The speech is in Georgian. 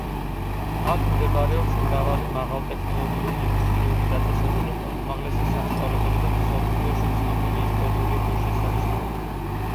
აქ მდებარეობს მრავალი მაღალტექნოლოგიური ინდუსტრიული დაწესებულება, უმაღლესი სასწავლებელი და მსოფლიოში ცნობილი ისტორიული ღირსშესანიშნაობა.